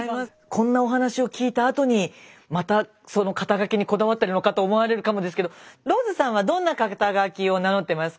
こんなお話を聞いたあとにまた肩書にこだわってるのかと思われるかもですけどローズさんはどんな肩書を名乗ってますか？